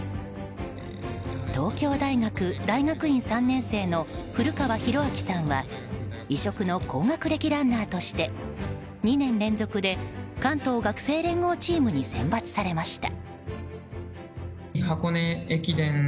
東京大学大学院３年生の古川大晃さんは異色の高学歴ランナーとして２年連続で関東学生連合チームに選抜されました。